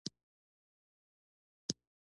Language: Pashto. دا ټولي جملې نه دي .